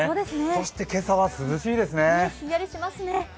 そして今朝は涼しいですね。